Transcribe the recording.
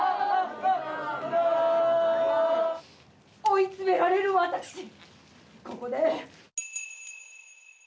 「追い詰められる私ここで」。